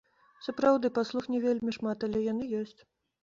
Сапраўды, паслуг не вельмі шмат, але яны ёсць.